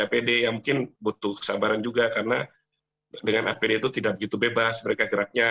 apd yang mungkin butuh kesabaran juga karena dengan apd itu tidak begitu bebas mereka geraknya